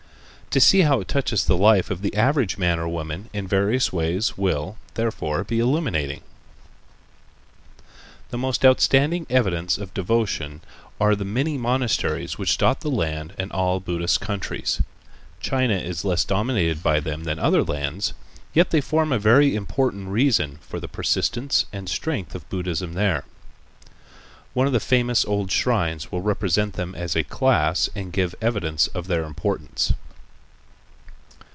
To see how it touches the life of the average man or woman in various ways will, therefore, be illuminating. The most outstanding evidence of devotion are the many monasteries which dot the land in all Buddhist countries. China is less dominated by them than other lands, yet they form a very important reason for the persistence and strength of Buddhism there. One of the famous old shrines will represent them as a class and give evidence of their importance.